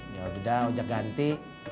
yaudah dah ojak ganti